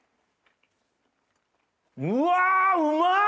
うわうまい！